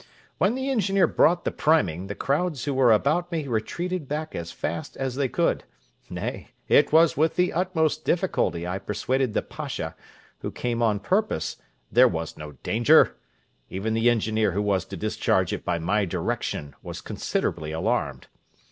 When the engineer brought the priming, the crowds who were about me retreated back as fast as they could; nay, it was with the utmost difficulty I persuaded the Pacha, who came on purpose, there was no danger: even the engineer who was to discharge it by my direction was considerably alarmed.